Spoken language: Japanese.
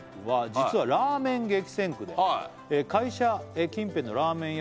「実はラーメン激戦区で会社近辺のラーメン屋を」